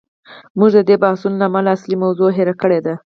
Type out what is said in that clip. موږ د دې بحثونو له امله اصلي موضوع هیر کړې ده.